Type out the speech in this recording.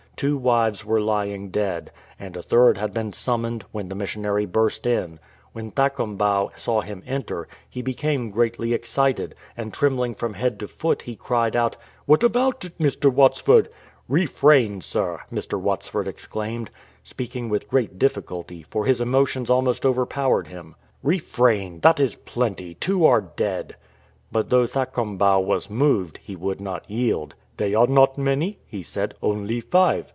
Two wives were lying dead, and a third had been sum moned, when the missionary burst in. When Thakombau saw him enter he became greatly excited, and trembling from head to foot he cried out, "What about it, Mr. Watsford?" "Refrain, sir!" Mr. Watsford exclaimed, speaking with great difficulty, for his emotions almost 318 KING THAKOMBAU overpowered him. "Refrain! that is plenty; two are dead.' But though Thakombau was moved, he would not yield. " They are not many,"' he said, " only five.